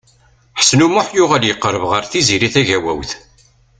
Ḥsen U Muḥ yuɣal yeqreb ɣer Tiziri Tagawawt.